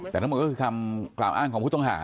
แต่ทั้งหมดก็คือคำกล่าวอ้างของผู้ต้องหา